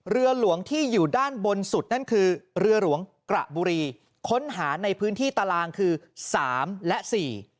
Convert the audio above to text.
เรือหลวงที่อยู่ด้านบนสุดนั่นคือเรือหลวงกระบุรีค้นหาในพื้นที่ตารางคือสามและสี่